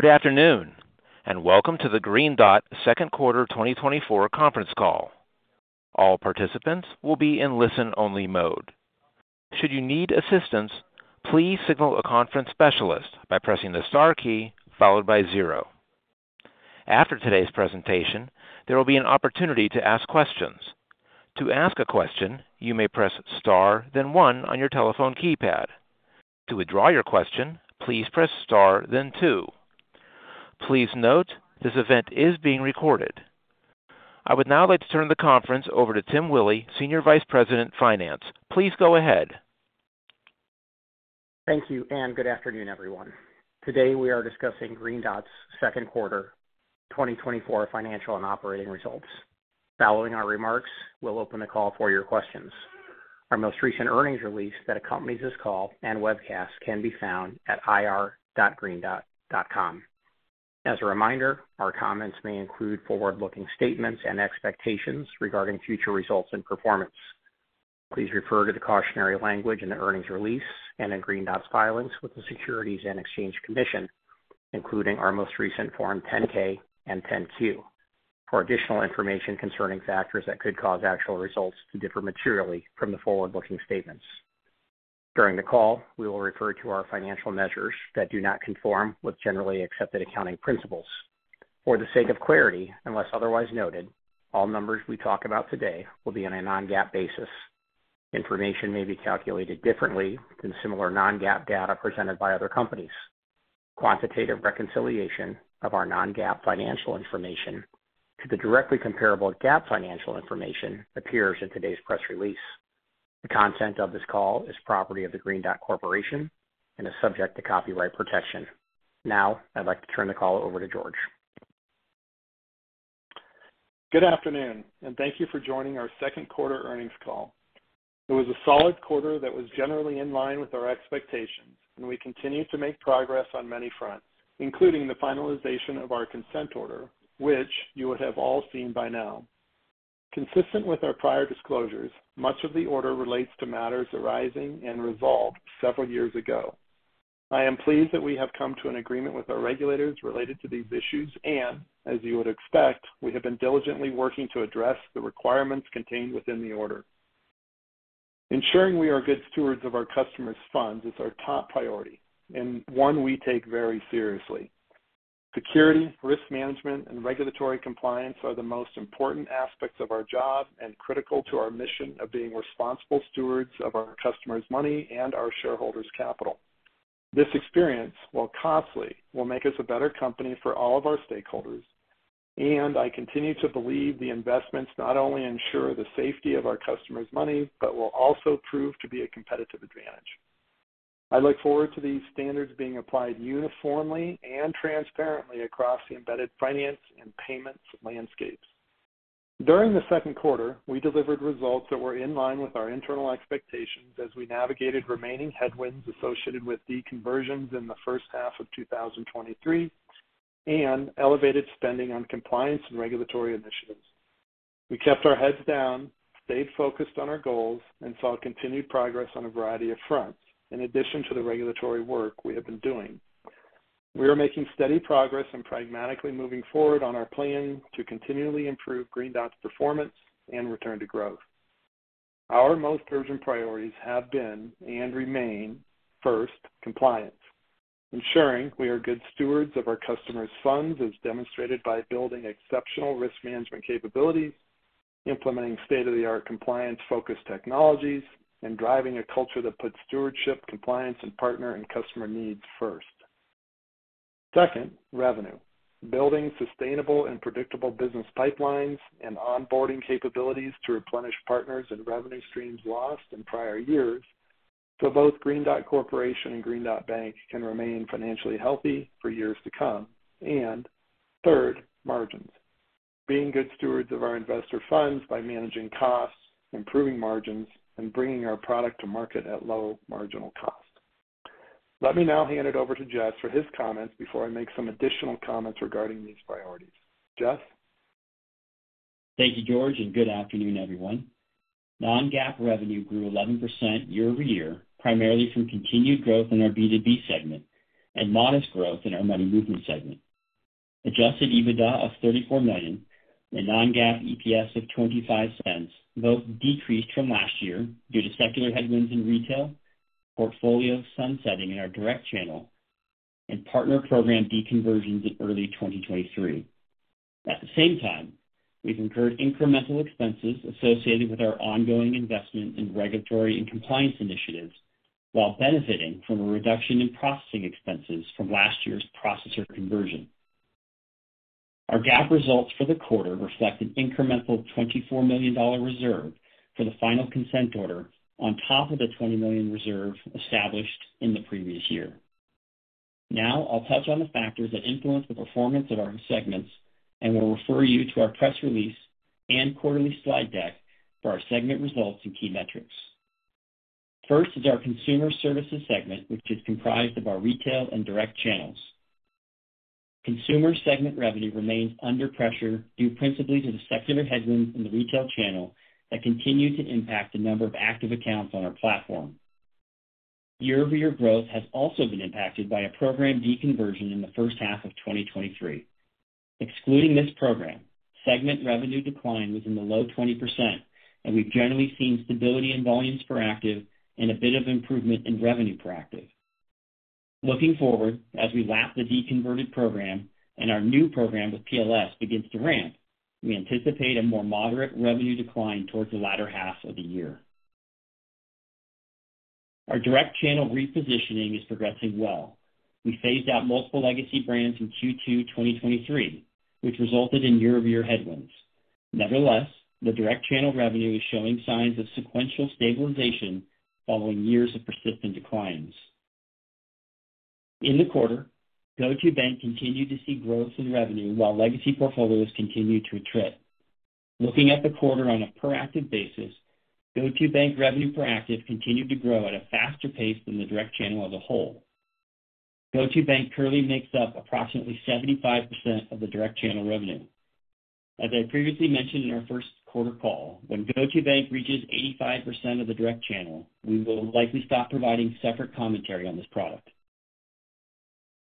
Good afternoon, and welcome to the Green Dot Second Quarter 2024 conference call. All participants will be in listen-only mode. Should you need assistance, please signal a conference specialist by pressing the star key followed by zero. After today's presentation, there will be an opportunity to ask questions. To ask a question, you may press star, then one on your telephone keypad. To withdraw your question, please press star then two. Please note, this event is being recorded. I would now like to turn the conference over to Tim Willi, Senior Vice President, Finance. Please go ahead. Thank you, and good afternoon, everyone. Today, we are discussing Green Dot's Second Quarter 2024 Financial and Operating Results. Following our remarks, we'll open the call for your questions. Our most recent earnings release that accompanies this call and webcast can be found at ir.greendot.com. As a reminder, our comments may include forward-looking statements and expectations regarding future results and performance. Please refer to the cautionary language in the earnings release and in Green Dot's filings with the Securities and Exchange Commission, including our most recent Form 10-K and 10-Q, for additional information concerning factors that could cause actual results to differ materially from the forward-looking statements. During the call, we will refer to our financial measures that do not conform with generally accepted accounting principles. For the sake of clarity, unless otherwise noted, all numbers we talk about today will be on a non-GAAP basis. Information may be calculated differently than similar non-GAAP data presented by other companies. Quantitative reconciliation of our non-GAAP financial information to the directly comparable GAAP financial information appears in today's press release. The content of this call is property of the Green Dot Corporation and is subject to copyright protection. Now, I'd like to turn the call over to George. Good afternoon, and thank you for joining our second quarter earnings call. It was a solid quarter that was generally in line with our expectations, and we continue to make progress on many fronts, including the finalization of our consent order, which you would have all seen by now. Consistent with our prior disclosures, much of the order relates to matters arising and resolved several years ago. I am pleased that we have come to an agreement with our regulators related to these issues, and as you would expect, we have been diligently working to address the requirements contained within the order. Ensuring we are good stewards of our customers' funds is our top priority and one we take very seriously. Security, risk management, and regulatory compliance are the most important aspects of our job and critical to our mission of being responsible stewards of our customers' money and our shareholders' capital. This experience, while costly, will make us a better company for all of our stakeholders, and I continue to believe the investments not only ensure the safety of our customers' money, but will also prove to be a competitive advantage. I look forward to these standards being applied uniformly and transparently across the embedded finance and payments landscapes. During the second quarter, we delivered results that were in line with our internal expectations as we navigated remaining headwinds associated with deconversions in the first half of 2023 and elevated spending on compliance and regulatory initiatives. We kept our heads down, stayed focused on our goals, and saw continued progress on a variety of fronts, in addition to the regulatory work we have been doing. We are making steady progress and pragmatically moving forward on our plan to continually improve Green Dot's performance and return to growth. Our most urgent priorities have been and remain: first, compliance. Ensuring we are good stewards of our customers' funds is demonstrated by building exceptional risk management capabilities, implementing state-of-the-art compliance-focused technologies, and driving a culture that puts stewardship, compliance, and partner and customer needs first. Second, revenue. Building sustainable and predictable business pipelines and onboarding capabilities to replenish partners and revenue streams lost in prior years, so both Green Dot Corporation and Green Dot Bank can remain financially healthy for years to come. And third, margins. Being good stewards of our investor funds by managing costs, improving margins, and bringing our product to market at low marginal cost. Let me now hand it over to Jess for his comments before I make some additional comments regarding these priorities. Jess? Thank you, George, and good afternoon, everyone. Non-GAAP revenue grew 11% year-over-year, primarily from continued growth in our B2B segment and modest growth in our money movement segment. Adjusted EBITDA of $34 million and non-GAAP EPS of $0.25 both decreased from last year due to secular headwinds in retail, portfolio sunsetting in our direct channel, and partner program deconversions in early 2023. At the same time, we've incurred incremental expenses associated with our ongoing investment in regulatory and compliance initiatives while benefiting from a reduction in processing expenses from last year's processor conversion. Our GAAP results for the quarter reflect an incremental $24 million reserve for the final consent order on top of the $20 million reserve established in the previous year. Now I'll touch on the factors that influence the performance of our segments and will refer you to our press release and quarterly slide deck for our segment results and key metrics. First is our consumer services segment, which is comprised of our retail and direct channels. Consumer segment revenue remains under pressure due principally to the secular headwinds in the retail channel that continue to impact the number of active accounts on our platform. Year-over-year growth has also been impacted by a program deconversion in the first half of 2023. Excluding this program, segment revenue decline was in the low 20%, and we've generally seen stability in volumes per active and a bit of improvement in revenue per active. Looking forward, as we lap the deconverted program and our new program with PLS begins to ramp, we anticipate a more moderate revenue decline towards the latter half of the year. Our direct channel repositioning is progressing well. We phased out multiple legacy brands in Q2, 2023, which resulted in year-over-year headwinds. Nevertheless, the direct channel revenue is showing signs of sequential stabilization following years of persistent declines. In the quarter, GO2bank continued to see growth in revenue while legacy portfolios continued to attrit. Looking at the quarter on a per-active basis, GO2bank revenue per active continued to grow at a faster pace than the direct channel as a whole. GO2bank currently makes up approximately 75% of the direct channel revenue. As I previously mentioned in our first quarter call, when GO2bank reaches 85% of the direct channel, we will likely stop providing separate commentary on this product.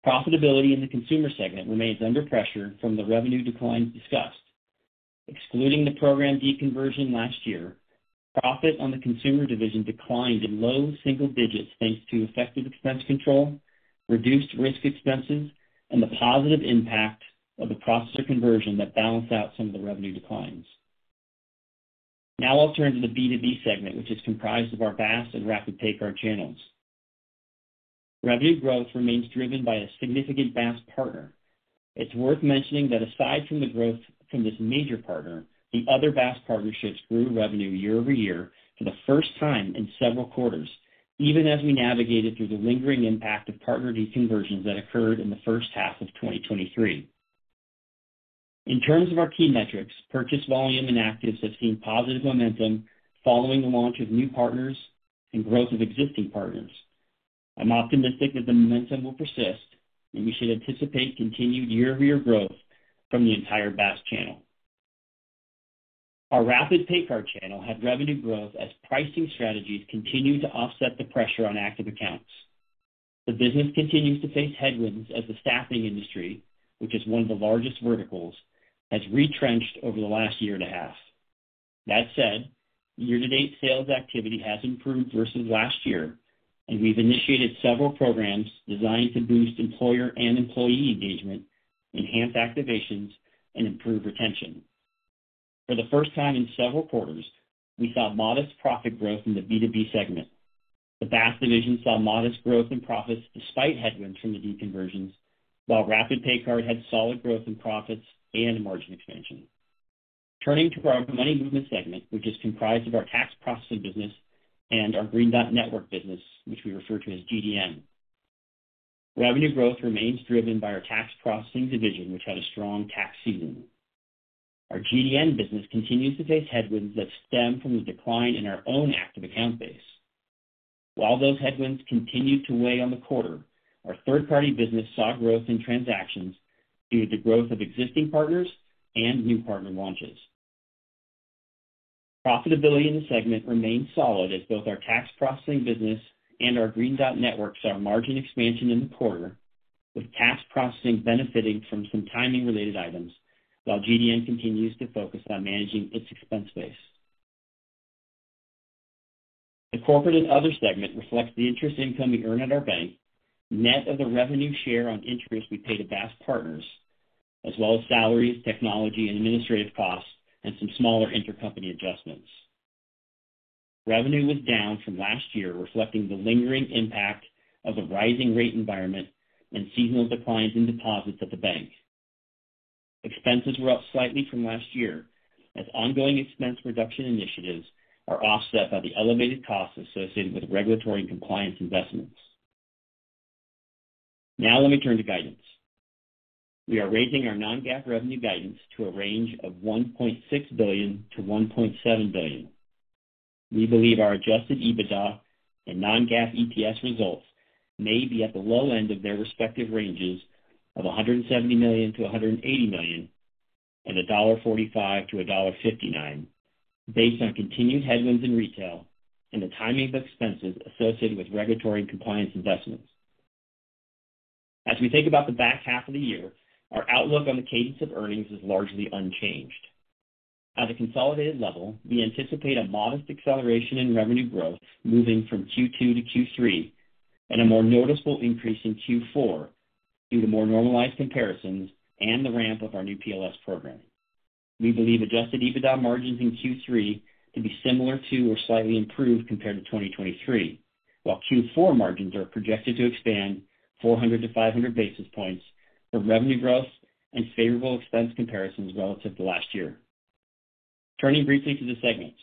Profitability in the consumer segment remains under pressure from the revenue declines discussed. Excluding the program deconversion last year, profit on the consumer division declined in low single digits, thanks to effective expense control, reduced risk expenses, and the positive impact of the processor conversion that balanced out some of the revenue declines. Now I'll turn to the B2B segment, which is comprised of our BaaS and rapid! PayCard channels. Revenue growth remains driven by a significant BaaS partner. It's worth mentioning that aside from the growth from this major partner, the other BaaS partnerships grew revenue year-over-year for the first time in several quarters, even as we navigated through the lingering impact of partner deconversions that occurred in the first half of 2023. In terms of our key metrics, purchase volume and actives have seen positive momentum following the launch of new partners and growth of existing partners. I'm optimistic that the momentum will persist, and we should anticipate continued year-over-year growth from the entire BaaS channel. Our rapid! PayCard channel had revenue growth as pricing strategies continued to offset the pressure on active accounts. The business continues to face headwinds as the staffing industry, which is one of the largest verticals, has retrenched over the last year and a half. That said, year-to-date sales activity has improved versus last year, and we've initiated several programs designed to boost employer and employee engagement, enhance activations, and improve retention. For the first time in several quarters, we saw modest profit growth in the B2B segment. The BaaS division saw modest growth in profits despite headwinds from the deconversions, while rapid! PayCard had solid growth in profits and margin expansion. Turning to our money movement segment, which is comprised of our tax processing business and our Green Dot Network business, which we refer to as GDN. Revenue growth remains driven by our tax processing division, which had a strong tax season. Our GDN business continues to face headwinds that stem from the decline in our own active account base. While those headwinds continued to weigh on the quarter, our third-party business saw growth in transactions due to the growth of existing partners and new partner launches. Profitability in the segment remained solid as both our tax processing business and our Green Dot Network saw margin expansion in the quarter, with tax processing benefiting from some timing-related items, while GDN continues to focus on managing its expense base. The corporate and other segment reflects the interest income we earn at our bank, net of the revenue share on interest we pay to BaaS partners, as well as salaries, technology, and administrative costs and some smaller intercompany adjustments. Revenue was down from last year, reflecting the lingering impact of the rising rate environment and seasonal declines in deposits at the bank. Expenses were up slightly from last year, as ongoing expense reduction initiatives are offset by the elevated costs associated with regulatory and compliance investments. Now let me turn to guidance. We are raising our non-GAAP revenue guidance to a range of $1.6 billion-$1.7 billion. We believe our adjusted EBITDA and non-GAAP EPS results may be at the low end of their respective ranges of $170 million-$180 million and $1.45-$1.59, based on continued headwinds in retail and the timing of expenses associated with regulatory and compliance investments. As we think about the back half of the year, our outlook on the cadence of earnings is largely unchanged. At a consolidated level, we anticipate a modest acceleration in revenue growth moving from Q2-Q3 and a more noticeable increase in Q4 due to more normalized comparisons and the ramp of our new PLS program. We believe adjusted EBITDA margins in Q3 to be similar to or slightly improved compared to 2023, while Q4 margins are projected to expand 400-500 basis points from revenue growth and favorable expense comparisons relative to last year. Turning briefly to the segments.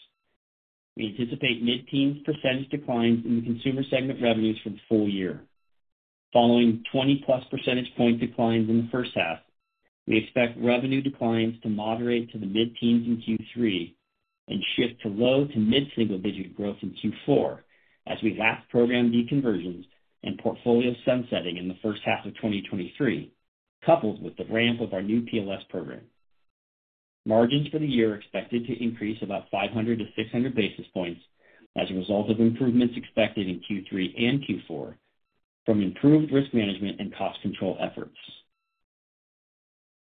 We anticipate mid-teens% declines in the consumer segment revenues for the full year, following 20+ percentage point declines in the first half. We expect revenue declines to moderate to the mid-teens in Q3 and shift to low to mid-single-digit growth in Q4 as we lap program deconversions and portfolio sunsetting in the first half of 2023, coupled with the ramp of our new PLS program. Margins for the year are expected to increase about 500-600 basis points as a result of improvements expected in Q3 and Q4 from improved risk management and cost control efforts.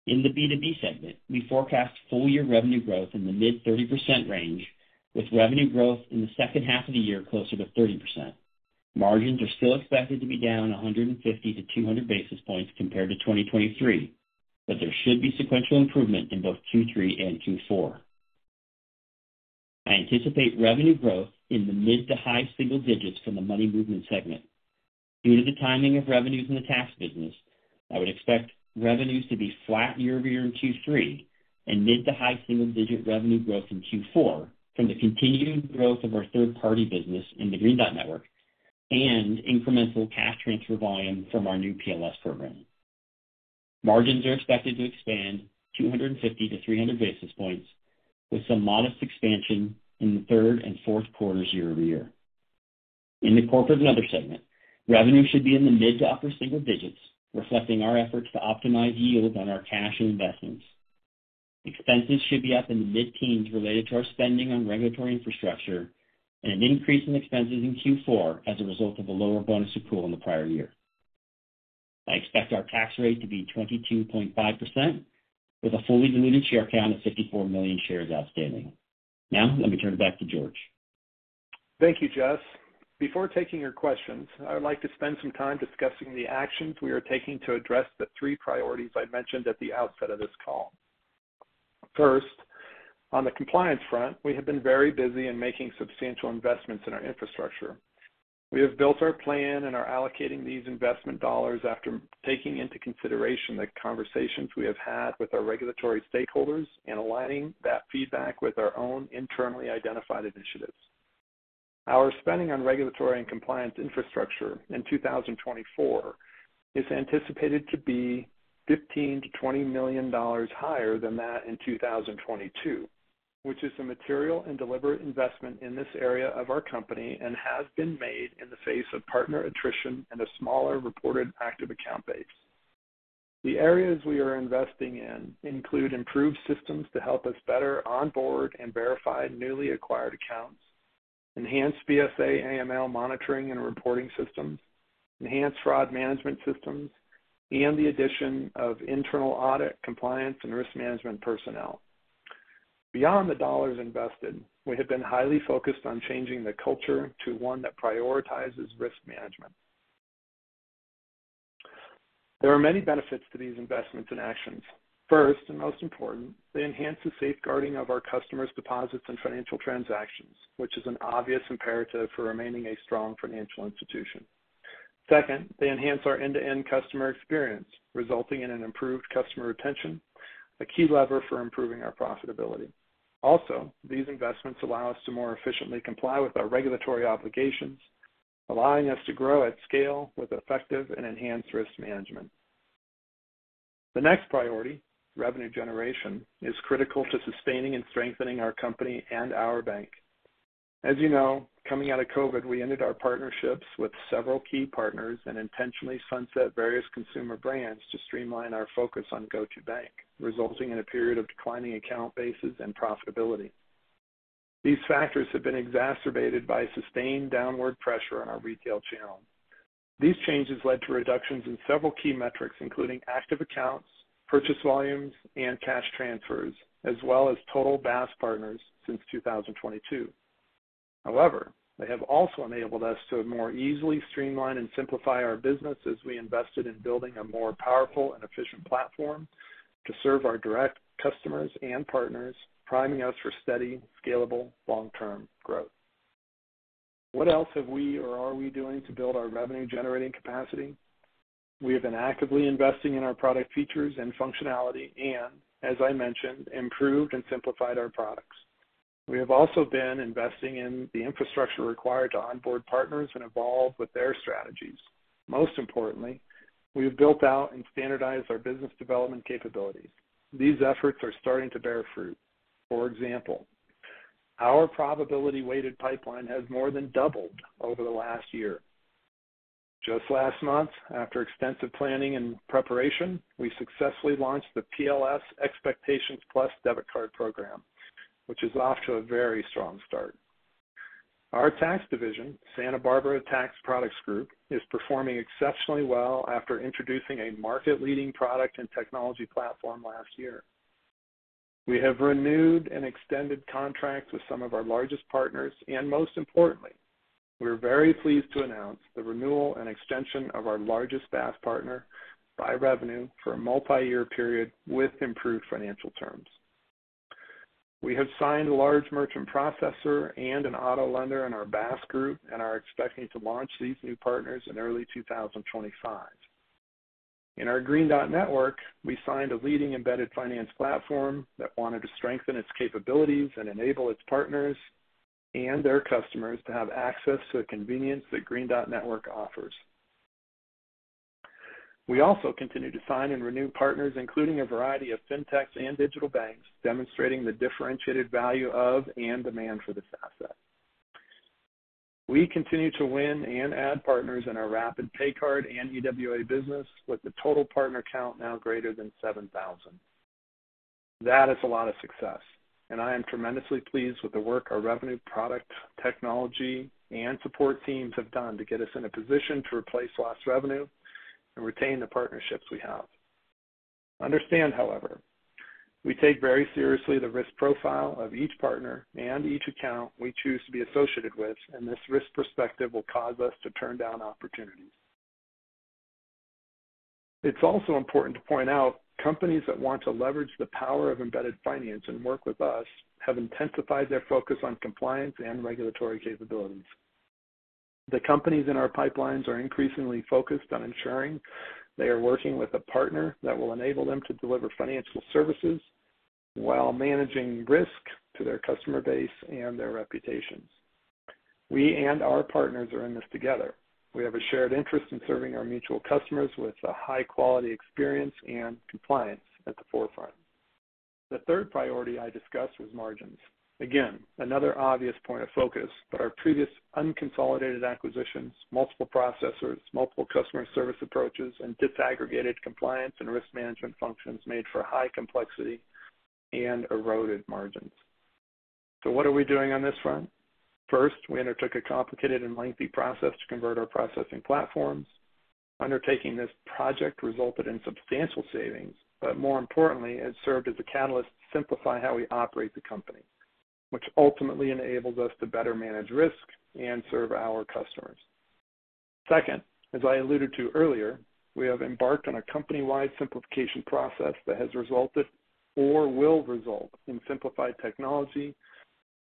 In the B2B segment, we forecast full-year revenue growth in the mid-30% range, with revenue growth in the second half of the year closer to 30%. Margins are still expected to be down 150-200 basis points compared to 2023, but there should be sequential improvement in both Q3 and Q4. I anticipate revenue growth in the mid- to high-single digits from the money movement segment. Due to the timing of revenues in the tax business, I would expect revenues to be flat year-over-year in Q3 and mid- to high-single-digit revenue growth in Q4 from the continued growth of our third-party business in the Green Dot Network and incremental cash transfer volume from our new PLS program. Margins are expected to expand 250-300 basis points, with some modest expansion in the third and fourth quarters year-over-year. In the corporate and other segment, revenue should be in the mid- to upper-single digits, reflecting our efforts to optimize yield on our cash and investments. Expenses should be up in the mid-teens related to our spending on regulatory infrastructure and an increase in expenses in Q4 as a result of a lower bonus accrual in the prior year. I expect our tax rate to be 22.5%, with a fully diluted share count of 54 million shares outstanding. Now, let me turn it back to George. Thank you, Jess. Before taking your questions, I would like to spend some time discussing the actions we are taking to address the three priorities I mentioned at the outset of this call. First, on the compliance front, we have been very busy in making substantial investments in our infrastructure. We have built our plan and are allocating these investment dollars after taking into consideration the conversations we have had with our regulatory stakeholders and aligning that feedback with our own internally identified initiatives. Our spending on regulatory and compliance infrastructure in 2024 is anticipated to be $15 million-$20 million higher than that in 2022, which is a material and deliberate investment in this area of our company and has been made in the face of partner attrition and a smaller reported active account base. The areas we are investing in include improved systems to help us better onboard and verify newly acquired accounts, enhanced BSA/AML monitoring and reporting systems, enhanced fraud management systems, and the addition of internal audit, compliance, and risk management personnel. Beyond the dollars invested, we have been highly focused on changing the culture to one that prioritizes risk management. There are many benefits to these investments and actions. First, and most important, they enhance the safeguarding of our customers' deposits and financial transactions, which is an obvious imperative for remaining a strong financial institution. Second, they enhance our end-to-end customer experience, resulting in an improved customer retention, a key lever for improving our profitability. Also, these investments allow us to more efficiently comply with our regulatory obligations, allowing us to grow at scale with effective and enhanced risk management. The next priority, revenue generation, is critical to sustaining and strengthening our company and our bank. As you know, coming out of COVID, we ended our partnerships with several key partners and intentionally sunset various consumer brands to streamline our focus on GO2bank, resulting in a period of declining account bases and profitability. These factors have been exacerbated by sustained downward pressure on our retail channel. These changes led to reductions in several key metrics, including active accounts, purchase volumes, and cash transfers, as well as total BaaS partners since 2022. However, they have also enabled us to more easily streamline and simplify our business as we invested in building a more powerful and efficient platform to serve our direct customers and partners, priming us for steady, scalable, long-term growth. What else have we or are we doing to build our revenue-generating capacity? We have been actively investing in our product features and functionality and, as I mentioned, improved and simplified our products. We have also been investing in the infrastructure required to onboard partners and evolve with their strategies. Most importantly, we have built out and standardized our business development capabilities. These efforts are starting to bear fruit. For example, our probability weighted pipeline has more than doubled over the last year. Just last month, after extensive planning and preparation, we successfully launched the PLS Xpectations! Plus debit card program, which is off to a very strong start. Our tax division, Santa Barbara Tax Products Group, is performing exceptionally well after introducing a market-leading product and technology platform last year. We have renewed and extended contracts with some of our largest partners, and most importantly, we're very pleased to announce the renewal and extension of our largest BaaS partner by revenue for a multiyear period with improved financial terms. We have signed a large merchant processor and an auto lender in our BaaS group and are expecting to launch these new partners in early 2025. In our Green Dot Network, we signed a leading embedded finance platform that wanted to strengthen its capabilities and enable its partners, and their customers to have access to the convenience that Green Dot Network offers. We also continue to sign and renew partners, including a variety of fintechs and digital banks, demonstrating the differentiated value of and demand for this asset. We continue to win and add partners in our Rapid! PayCard and EWA business, with the total partner count now greater than 7,000. That is a lot of success, and I am tremendously pleased with the work our revenue, product, technology, and support teams have done to get us in a position to replace lost revenue and retain the partnerships we have. Understand, however, we take very seriously the risk profile of each partner and each account we choose to be associated with, and this risk perspective will cause us to turn down opportunities. It's also important to point out, companies that want to leverage the power of embedded finance and work with us have intensified their focus on compliance and regulatory capabilities. The companies in our pipelines are increasingly focused on ensuring they are working with a partner that will enable them to deliver financial services while managing risk to their customer base and their reputations. We and our partners are in this together. We have a shared interest in serving our mutual customers with a high-quality experience and compliance at the forefront. The third priority I discussed was margins. Again, another obvious point of focus, but our previous unconsolidated acquisitions, multiple processors, multiple customer service approaches, and disaggregated compliance and risk management functions made for high complexity and eroded margins. So what are we doing on this front? First, we undertook a complicated and lengthy process to convert our processing platforms. Undertaking this project resulted in substantial savings, but more importantly, it served as a catalyst to simplify how we operate the company, which ultimately enables us to better manage risk and serve our customers. Second, as I alluded to earlier, we have embarked on a company-wide simplification process that has resulted or will result in simplified technology,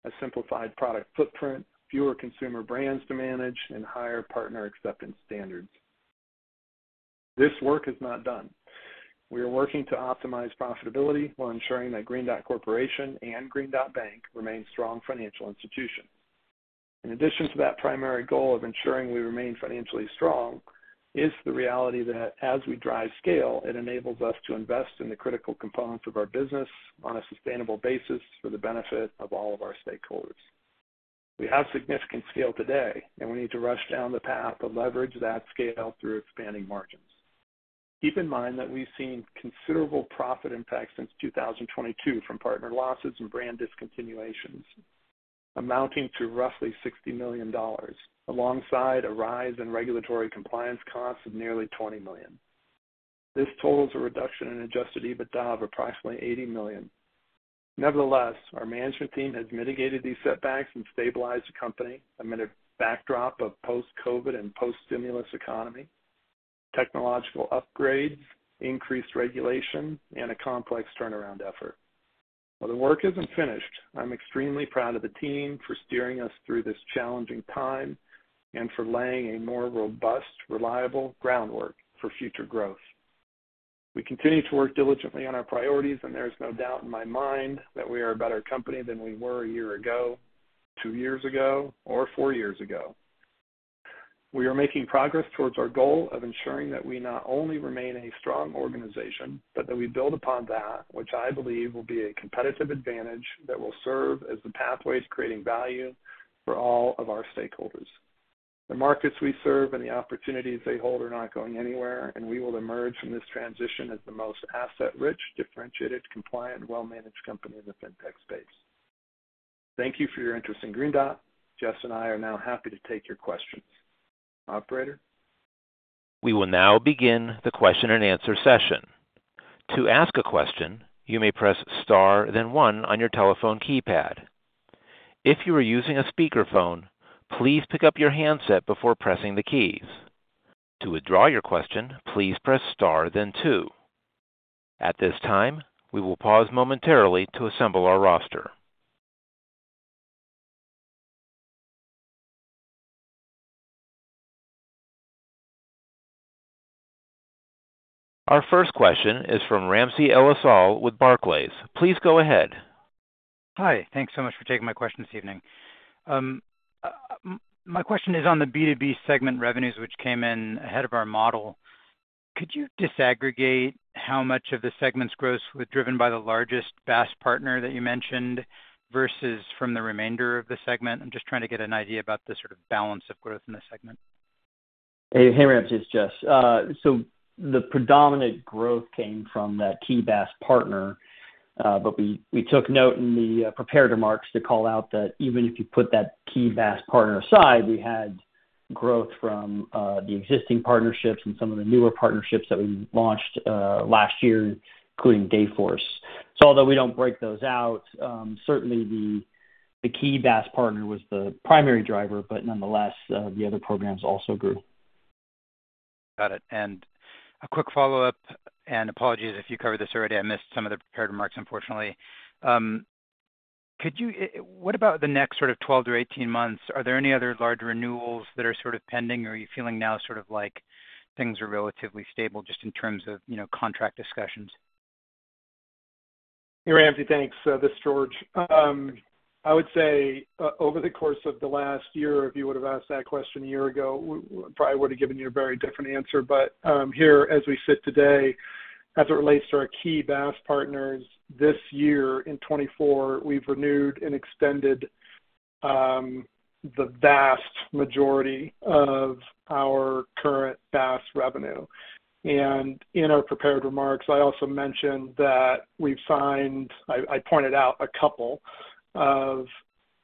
a simplified product footprint, fewer consumer brands to manage, and higher partner acceptance standards. This work is not done. We are working to optimize profitability while ensuring that Green Dot Corporation and Green Dot Bank remain strong financial institutions. In addition to that primary goal of ensuring we remain financially strong, is the reality that as we drive scale, it enables us to invest in the critical components of our business on a sustainable basis for the benefit of all of our stakeholders. We have significant scale today, and we need to rush down the path to leverage that scale through expanding margins. Keep in mind that we've seen considerable profit impacts since 2022 from partner losses and brand discontinuations, amounting to roughly $60 million, alongside a rise in regulatory compliance costs of nearly $20 million. This totals a reduction in adjusted EBITDA of approximately $80 million. Nevertheless, our management team has mitigated these setbacks and stabilized the company amid a backdrop of post-COVID and post-stimulus economy, technological upgrades, increased regulation, and a complex turnaround effort. While the work isn't finished, I'm extremely proud of the team for steering us through this challenging time and for laying a more robust, reliable groundwork for future growth. We continue to work diligently on our priorities, and there is no doubt in my mind that we are a better company than we were a year ago, two years ago, or four years ago. We are making progress towards our goal of ensuring that we not only remain a strong organization, but that we build upon that, which I believe will be a competitive advantage that will serve as the pathway to creating value for all of our stakeholders. The markets we serve and the opportunities they hold are not going anywhere, and we will emerge from this transition as the most asset-rich, differentiated, compliant, well-managed company in the fintech space. Thank you for your interest in Green Dot. Jess and I are now happy to take your questions. Operator? We will now begin the question-and-answer session. To ask a question, you may press star, then one on your telephone keypad. If you are using a speakerphone, please pick up your handset before pressing the keys. To withdraw your question, please press star then two. At this time, we will pause momentarily to assemble our roster. Our first question is from Ramsey El-Assal with Barclays. Please go ahead. Hi, thanks so much for taking my question this evening. My question is on the B2B segment revenues, which came in ahead of our model. Could you disaggregate how much of the segment's growth was driven by the largest BaaS partner that you mentioned, versus from the remainder of the segment? I'm just trying to get an idea about the sort of balance of growth in this segment. Hey, Ramsey, it's Jess. So the predominant growth came from that key BaaS partner, but we, we took note in the prepared remarks to call out that even if you put that key BaaS partner aside, we had growth from the existing partnerships and some of the newer partnerships that we launched last year, including Dayforce. So although we don't break those out, certainly the key BaaS partner was the primary driver, but nonetheless, the other programs also grew. Got it. And a quick follow-up, and apologies if you covered this already. I missed some of the prepared remarks, unfortunately. Could you, what about the next sort of 12-18 months? Are there any other large renewals that are sort of pending, or are you feeling now sort of like things are relatively stable just in terms of, you know, contract discussions? Hey, Ramsey. Thanks. This is George. I would say, over the course of the last year, if you would have asked that question a year ago, we probably would have given you a very different answer. But, here, as we sit today, as it relates to our key BaaS partners this year, in 2024, we've renewed and extended, the vast majority of our current BaaS revenue. And in our prepared remarks, I also mentioned that we've signed-- I pointed out a couple of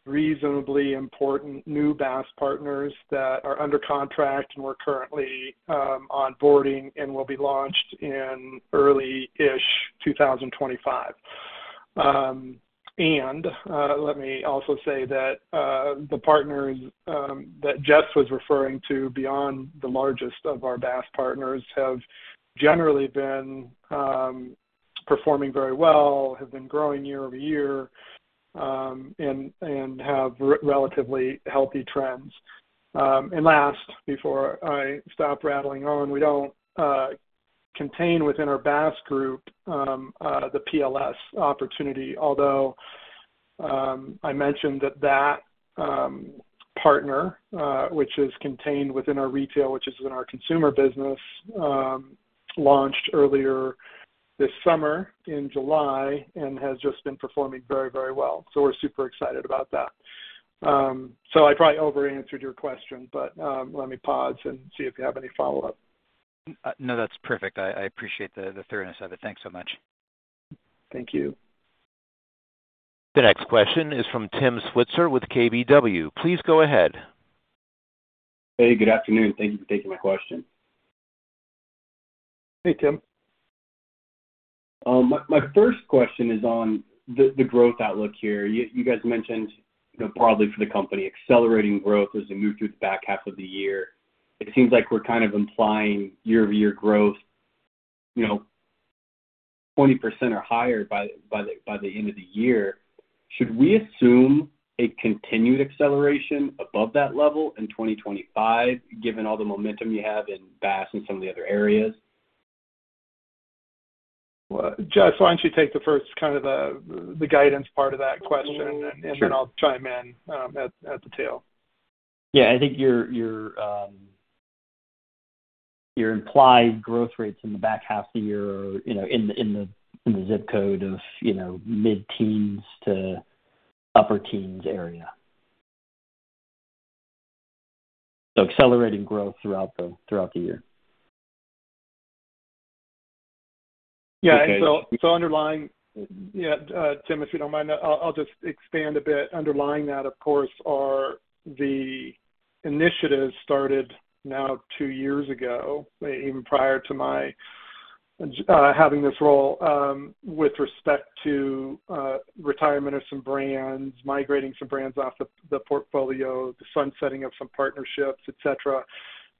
reasonably important new BaaS partners that are under contract, and we're currently, onboarding and will be launched in early-ish 2025. And let me also say that the partners that Jeff was referring to, beyond the largest of our BaaS partners, have generally been performing very well, have been growing year-over-year, and have relatively healthy trends. And last, before I stop rattling on, we don't contain within our BaaS group the PLS opportunity. Although I mentioned that partner, which is contained within our retail, which is in our consumer business, launched earlier this summer in July and has just been performing very, very well. So we're super excited about that. So I probably overanswered your question, but let me pause and see if you have any follow-up. No, that's perfect. I appreciate the thoroughness of it. Thanks so much. Thank you. The next question is from Tim Switzer with KBW. Please go ahead. Hey, good afternoon. Thank you for taking my question. Hey, Tim. My first question is on the growth outlook here. You guys mentioned, you know, broadly for the company, accelerating growth as we move through the back half of the year. It seems like we're kind of implying year-over-year growth, you know, 20% or higher by the end of the year. Should we assume a continued acceleration above that level in 2025, given all the momentum you have in BaaS and some of the other areas? Well, Jeff, why don't you take the first kind of the guidance part of that question? Sure. And then I'll chime in at the tail. Yeah. I think your implied growth rates in the back half of the year are, you know, in the zip code of, you know, mid-teens to upper teens area. So accelerating growth throughout the year. Yeah. Okay. Tim, if you don't mind, I'll, I'll just expand a bit. Underlying that, of course, are the initiatives started now two years ago, even prior to my having this role, with respect to retirement of some brands, migrating some brands off the portfolio, the sunsetting of some partnerships, et cetera.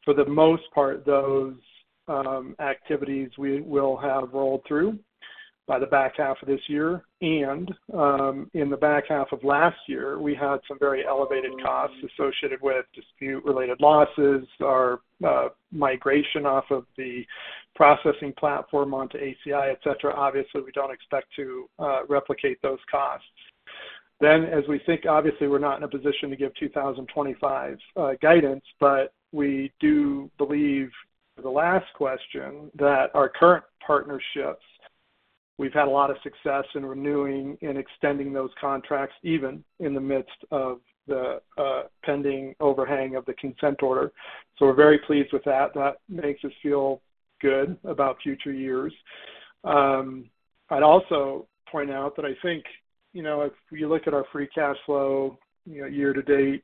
For the most part, those activities we will have rolled through by the back half of this year. And in the back half of last year, we had some very elevated costs associated with dispute-related losses, our migration off of the processing platform onto ACI, et cetera. Obviously, we don't expect to replicate those costs. Then, as we think, obviously, we're not in a position to give 2025 guidance, but we do believe, the last question, that our current partnerships, we've had a lot of success in renewing and extending those contracts, even in the midst of the pending overhang of the Consent Order. So we're very pleased with that. That makes us feel good about future years. I'd also point out that I think, you know, if you look at our free cash flow, you know, year to date,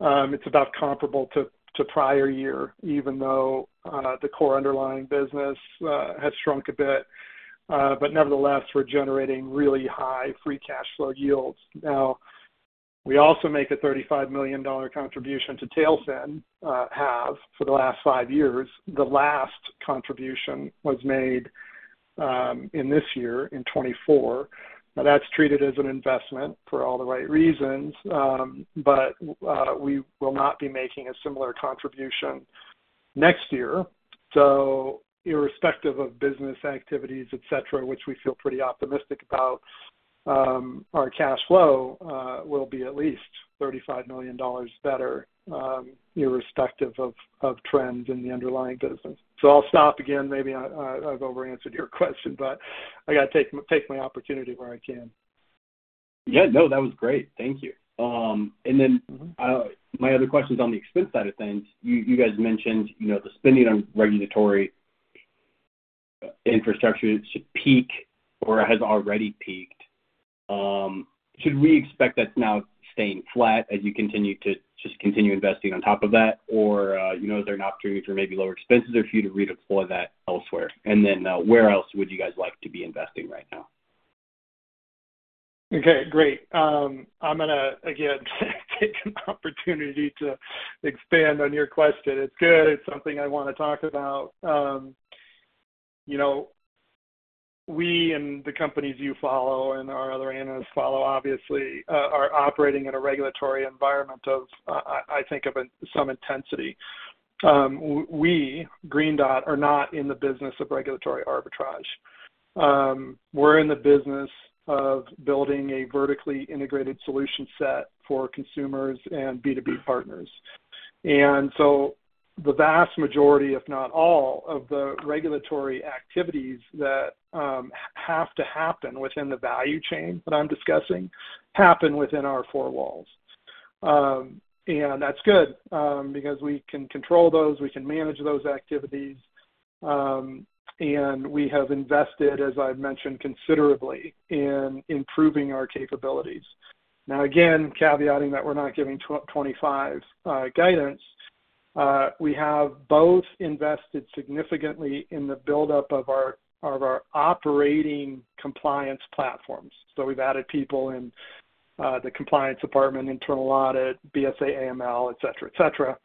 it's about comparable to prior year, even though the core underlying business has shrunk a bit. But nevertheless, we're generating really high free cash flow yields. Now, we also make a $35 million contribution to Tailfin, have for the last five years. The last contribution was made in this year, in 2024. Now, that's treated as an investment for all the right reasons, but we will not be making a similar contribution next year. So irrespective of business activities, et cetera, which we feel pretty optimistic about, our cash flow will be at least $35 million better, irrespective of trends in the underlying business. So I'll stop again. Maybe I, I've over-answered your question, but I got to take my opportunity where I can. Yeah. No, that was great. Thank you. and then- My other question is on the expense side of things. You, you guys mentioned, you know, the spending on regulatory infrastructure should peak or has already peaked. Should we expect that's now staying flat as you continue to just continue investing on top of that? Or, you know, is there an opportunity for maybe lower expenses or for you to redeploy that elsewhere? And then, where else would you guys like to be investing right now? Okay, great. I'm gonna, again, take an opportunity to expand on your question. It's good. It's something I wanna talk about. You know, we and the companies you follow are operating in a regulatory environment of, I think of some intensity. We, Green Dot, are not in the business of regulatory arbitrage. We're in the business of building a vertically integrated solution set for consumers and B2B partners. And so the vast majority, if not all, of the regulatory activities that have to happen within the value chain that I'm discussing, happen within our four walls. And that's good, because we can control those, we can manage those activities, and we have invested, as I've mentioned, considerably in improving our capabilities. Now, again, caveating that we're not giving 2025 guidance, we have both invested significantly in the buildup of our operating compliance platforms. So we've added people in the compliance department, internal audit, BSA, AML, et cetera,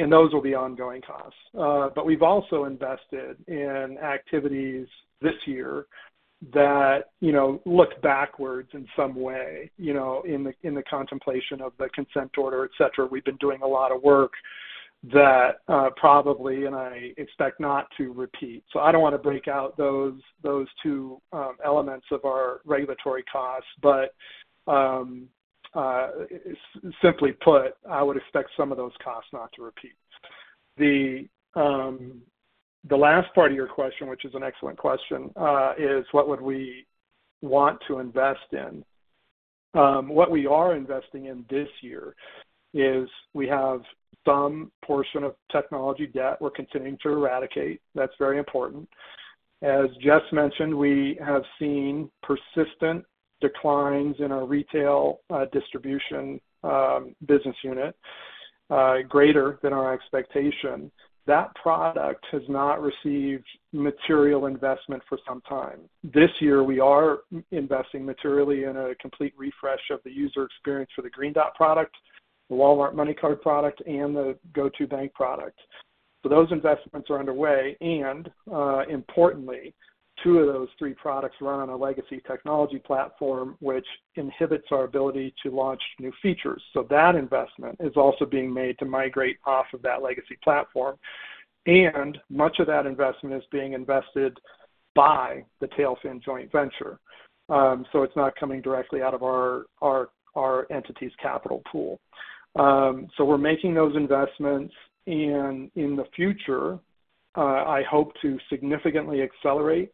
and those will be ongoing costs. But we've also invested in activities this year that, you know, look backwards in some way, you know, in the contemplation of the consent order, et cetera. We've been doing a lot of work that probably, and I expect not to repeat. So I don't want to break out those two elements of our regulatory costs, but simply put, I would expect some of those costs not to repeat. The last part of your question, which is an excellent question, is what would we want to invest in? What we are investing in this year is we have some portion of technology debt we're continuing to eradicate. That's very important. As Jess mentioned, we have seen persistent declines in our retail distribution business unit, greater than our expectation. That product has not received material investment for some time. This year, we are investing materially in a complete refresh of the user experience for the Green Dot product, the Walmart MoneyCard product, and the GO2bank product. So those investments are underway, and importantly, two of those three products run on a legacy technology platform, which inhibits our ability to launch new features. So that investment is also being made to migrate off of that legacy platform, and much of that investment is being invested by the Tailfin joint venture. So it's not coming directly out of our, our, our entity's capital pool. So we're making those investments, and in the future, I hope to significantly accelerate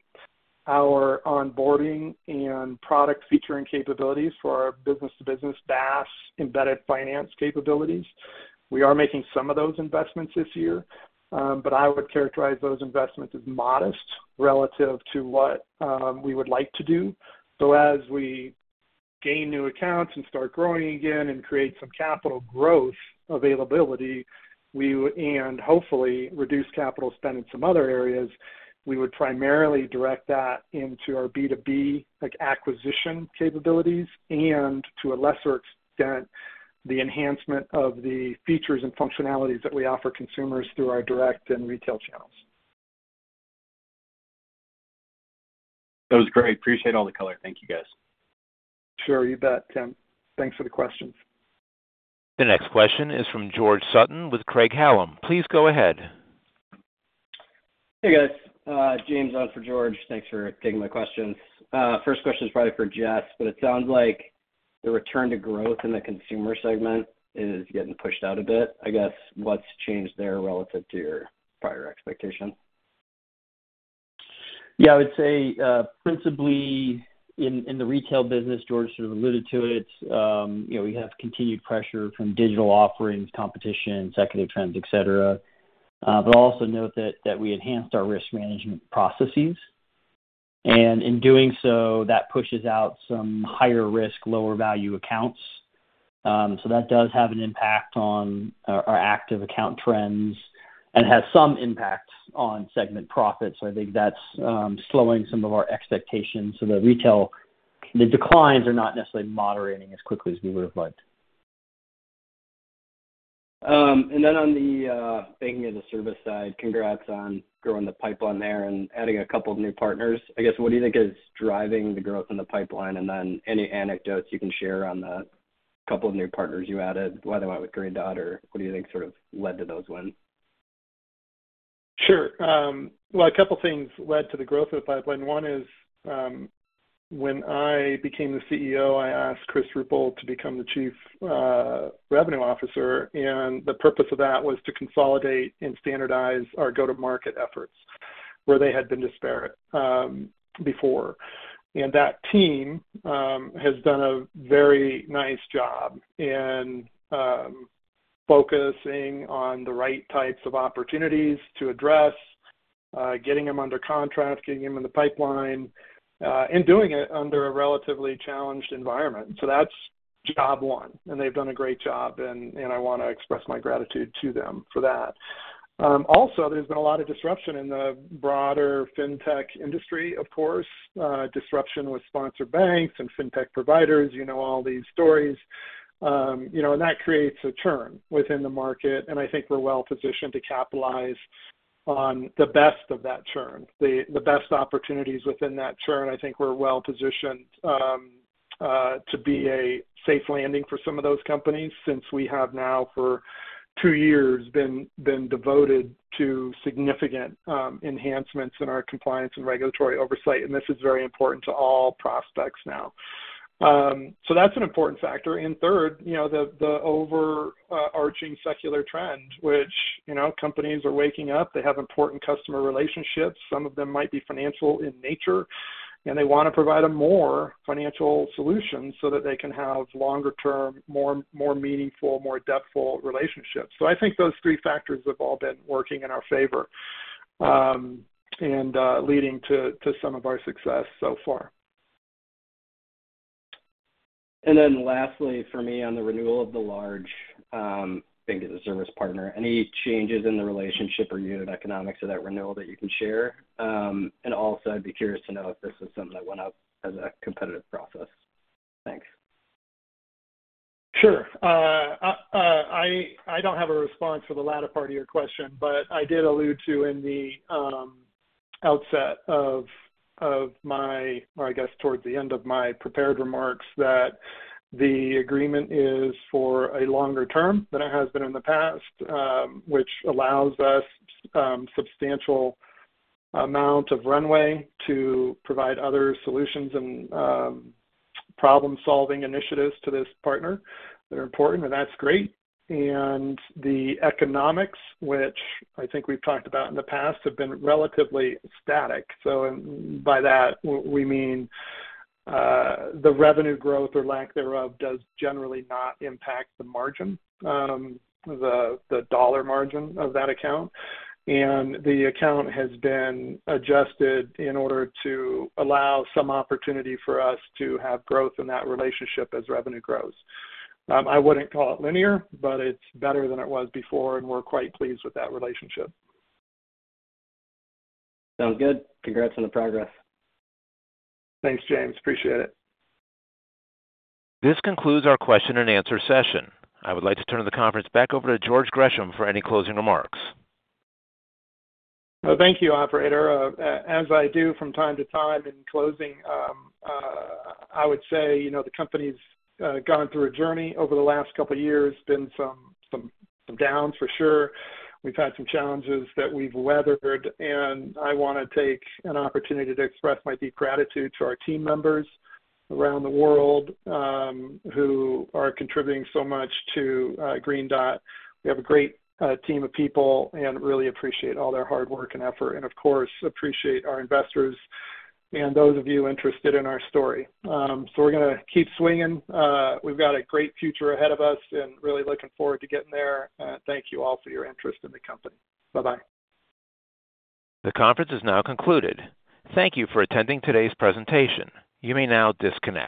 our onboarding and product featuring capabilities for our business-to-business SaaS embedded finance capabilities. We are making some of those investments this year, but I would characterize those investments as modest relative to what we would like to do. So as we gain new accounts and start growing again and create some capital growth availability, and hopefully reduce capital spend in some other areas, we would primarily direct that into our B2B, like, acquisition capabilities and to a lesser extent, the enhancement of the features and functionalities that we offer consumers through our direct and retail channels. That was great. Appreciate all the color. Thank you, guys. Sure. You bet, Tim. Thanks for the questions. The next question is from George Sutton with Craig-Hallum. Please go ahead. Hey, guys. James on for George. Thanks for taking my questions. First question is probably for Jess, but it sounds like the return to growth in the consumer segment is getting pushed out a bit. I guess, what's changed there relative to your prior expectation? Yeah, I would say principally in the retail business, George sort of alluded to it, you know, we have continued pressure from digital offerings, competition, secular trends, et cetera. But also note that we enhanced our risk management processes, and in doing so, that pushes out some higher risk, lower value accounts. So that does have an impact on our active account trends and has some impact on segment profits. So I think that's slowing some of our expectations. So the retail, the declines are not necessarily moderating as quickly as we would have liked. And then on the banking as a service side, congrats on growing the pipeline there and adding a couple of new partners. I guess, what do you think is driving the growth in the pipeline? And then any anecdotes you can share on the couple of new partners you added, why they went with Green Dot, or what do you think sort of led to those wins? Sure. Well, a couple things led to the growth of the pipeline. One is, when I became the CEO, I asked Chris Ruppel to become the Chief Revenue Officer, and the purpose of that was to consolidate and standardize our go-to-market efforts, where they had been disparate, before. That team has done a very nice job in focusing on the right types of opportunities to address, getting them under contract, getting them in the pipeline, and doing it under a relatively challenged environment. That's job one, and they've done a great job, and I want to express my gratitude to them for that. Also, there's been a lot of disruption in the broader fintech industry, of course, disruption with sponsor banks and fintech providers, you know all these stories... You know, and that creates a churn within the market, and I think we're well positioned to capitalize on the best of that churn. The best opportunities within that churn, I think we're well positioned to be a safe landing for some of those companies since we have now for two years been devoted to significant enhancements in our compliance and regulatory oversight, and this is very important to all prospects now. So that's an important factor. And third, you know, the overarching secular trend, which, you know, companies are waking up. They have important customer relationships. Some of them might be financial in nature, and they wanna provide a more financial solution so that they can have longer-term, more, more meaningful, more depthful relationships. So I think those three factors have all been working in our favor, and leading to some of our success so far. And then lastly, for me, on the renewal of the large, I think it's a service partner, any changes in the relationship or unit economics of that renewal that you can share? And also, I'd be curious to know if this is something that went out as a competitive process. Thanks. Sure. I don't have a response for the latter part of your question, but I did allude to in the outset of my – or I guess towards the end of my prepared remarks, that the agreement is for a longer term than it has been in the past, which allows us substantial amount of runway to provide other solutions and problem-solving initiatives to this partner. They're important, and that's great. And the economics, which I think we've talked about in the past, have been relatively static. So by that, we mean, the revenue growth or lack thereof does generally not impact the margin, the dollar margin of that account. And the account has been adjusted in order to allow some opportunity for us to have growth in that relationship as revenue grows. I wouldn't call it linear, but it's better than it was before, and we're quite pleased with that relationship. Sounds good. Congrats on the progress. Thanks, James. Appreciate it. This concludes our question and answer session. I would like to turn the conference back over to George Gresham for any closing remarks. Well, thank you, operator. As I do from time to time in closing, I would say, you know, the company's gone through a journey over the last couple of years. Been some downs for sure. We've had some challenges that we've weathered, and I wanna take an opportunity to express my deep gratitude to our team members around the world, who are contributing so much to Green Dot. We have a great team of people and really appreciate all their hard work and effort, and of course, appreciate our investors and those of you interested in our story. So we're gonna keep swinging. We've got a great future ahead of us and really looking forward to getting there. Thank you all for your interest in the company. Bye-bye. The conference is now concluded. Thank you for attending today's presentation. You may now disconnect.